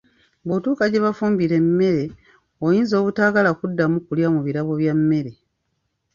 Bwotuuka gye bafumbira emmere oyinza obutaagala kuddamu kulya mu birabo bya mmere.